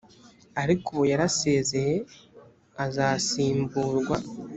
ariko ubu yarasezeye, azasimburwa